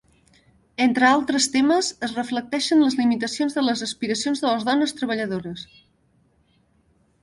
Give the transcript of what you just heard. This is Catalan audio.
Entre altres temes, es reflecteixen les limitacions de les aspiracions de les dones treballadores.